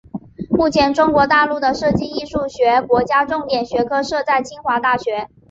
目前中国大陆的设计艺术学国家重点学科设在清华大学。